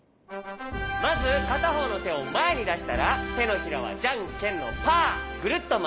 まずかたほうのてをまえにだしたらてのひらはじゃんけんのパーぐるっとまわすよ。